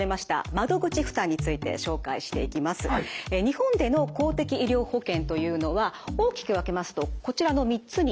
日本での公的医療保険というのは大きく分けますとこちらの３つになります。